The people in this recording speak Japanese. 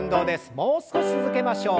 もう少し続けましょう。